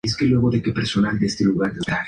Es una planta anual o perennifolia, acuática.